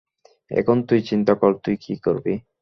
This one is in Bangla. এখন তুই চিন্তা কর তুই কী করবি।